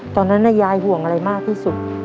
ตอนนั้นยายห่วงอะไรมากที่สุด